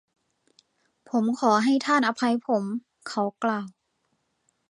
“ผมขอให้ท่านอภัยผม” เขากล่าว